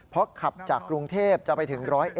เพราะขับจากกรุงเทพจะไปถึง๑๐๑